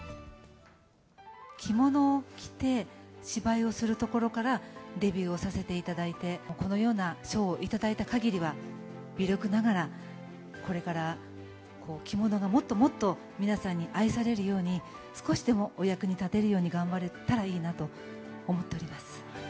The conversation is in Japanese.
着物を着て芝居をするところからデビューをさせていただいて、このような賞を頂いたかぎりは、微力ながら、これから着物がもっともっと皆さんに愛されるように、少しでもお役に立てるように頑張れたらいいなと思っております。